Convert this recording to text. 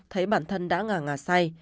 thấy bản thân đã ngả ngà say